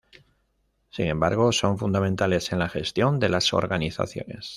Sin embargo, son fundamentales en la gestión de las organizaciones.